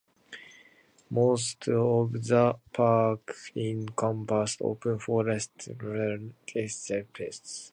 Most of the park is covered in open forest or woodland dominated by eucalypts.